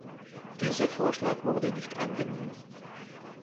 Dieser Vorschlag wurde nicht angenommen.